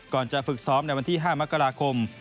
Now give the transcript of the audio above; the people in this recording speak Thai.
จะฝึกซ้อมในวันที่๕มกราคม